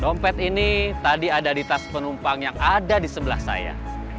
dompet ini tadi ada di tas penumpang yang ada di sebelah saya